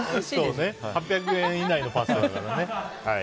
８００円以内のパスタだからね。